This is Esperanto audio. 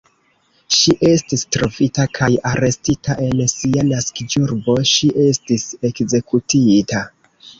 Ŝi estis trovita kaj arestita, en sia naskiĝurbo ŝi estis ekzekutita.